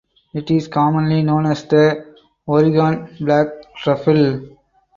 It is commonly known as the Oregon black truffle.